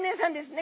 ね